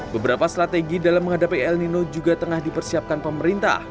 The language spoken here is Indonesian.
beberapa strategi dalam menghadapi el nino juga tengah dipersiapkan pemerintah